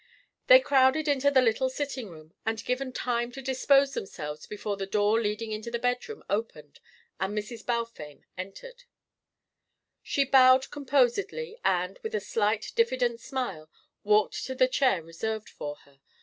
They crowded into the little sitting room, and were given time to dispose themselves before the door leading into the bedroom opened and Mrs. Balfame entered. She bowed composedly and, with a slight diffident smile, walked to the chair reserved for her.